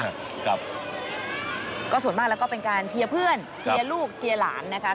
ครับก็ส่วนมากแล้วก็เป็นการเชียร์เพื่อนเชียร์ลูกเชียร์หลานนะคะ